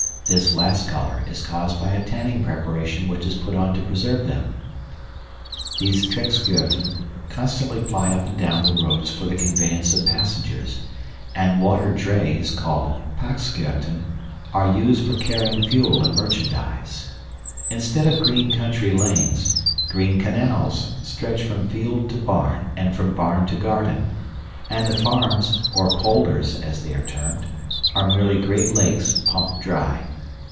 This last color is caused by a tanning preparation which is put on to preserve them.} constantly ply up and down these roads for the conveyance of passengers; and water drays, called pakschuyten, are used for carrying fuel and merchandise. Instead of green country lanes, green canals stretch from field to barn and from barn to garden; and the farms, or polders, as they are termed, are merely great lakes pumped dry.